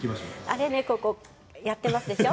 あれねここやってますでしょ。